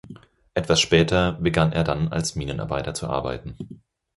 Etwas später begann er dann als Minenarbeiter zu arbeiten.